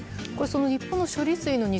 日本の処理水の偽